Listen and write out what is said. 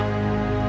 lengkaf avk gak